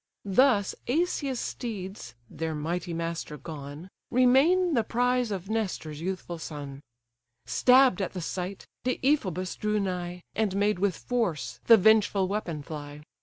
Thus Asius' steeds (their mighty master gone) Remain the prize of Nestor's youthful son. Stabb'd at the sight, Deiphobus drew nigh, And made, with force, the vengeful weapon fly.